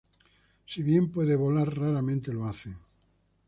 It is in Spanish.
Si bien pueden volar, raramente lo hacen.